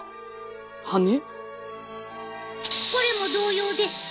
羽根？